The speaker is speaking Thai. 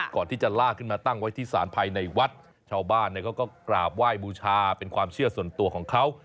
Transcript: ก่อนที่จะลากขึ้นมาตั้งไว้ที่ศาลภายในวัดชาวบ้านเขาก็กราบไหว้บูชาเป็นความเชื่อส่วนตัวของเขา